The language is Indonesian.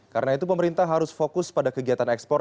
karena itu pemerintah harus fokus pada kegiatan ekspor